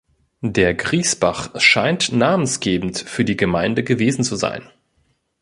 Der Griesbach scheint namensgebend für die Gemeinde gewesen zu sein.